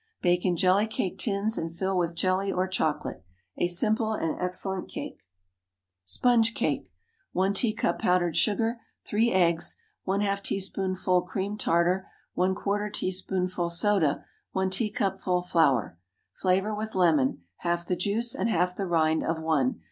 Bake in jelly cake tins, and fill with jelly or chocolate. A simple and excellent cake. SPONGE CAKE. 1 teacup powdered sugar. 3 eggs. ½ teaspoonful cream tartar. ¼ teaspoonful soda. 1 teacupful flour. Flavor with lemon—half the juice and half the rind of one.